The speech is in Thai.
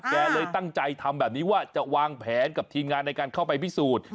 เลยตั้งใจทำแบบนี้ว่าจะวางแผนกับทีมงานในการเข้าไปพิสูจน์